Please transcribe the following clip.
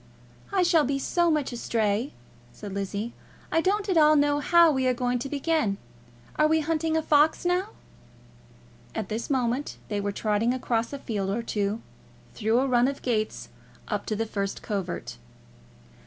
"I shall be so much astray," said Lizzie. "I don't at all know how we are going to begin. Are we hunting a fox now?" At this moment they were trotting across a field or two, through a run of gates up to the first covert.